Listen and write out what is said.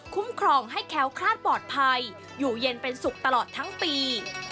ครองให้แค้วคลาดปลอดภัยอยู่เย็นเป็นสุขตลอดทั้งปี